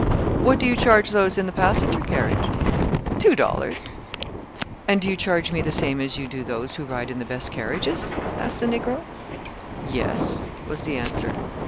"What do you charge those in the passenger carriage?" "Two dollars." "And do you charge me the same as you do those who ride in the best carriages?" asked the Negro. "Yes," was the answer.